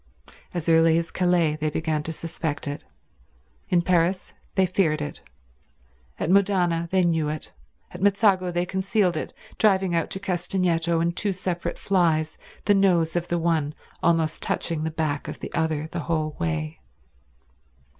As early as Calais they began to suspect it; in Paris they feared it; at Modane they knew it; at Mezzago they concealed it, driving out to Castagneto in two separate flys, the nose of the one almost touching the back of the other the whole way.